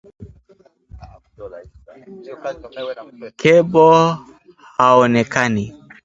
Kebo haonekani